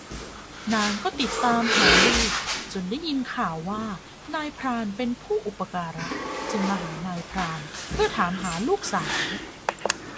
นางก็ติดตามหาลูก จนได้ยินข่าวว่านายพรานเป็นผู้อุปการะจึงมาหานายพรานเพื่อถามหาลูกสาว